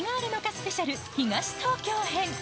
スペシャル東東京編。